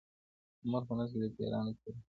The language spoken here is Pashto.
د مور په نس کي د پیرانو پیر وو -